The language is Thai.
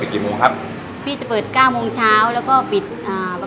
อยู่ทุกวันจันทร์ค่ะ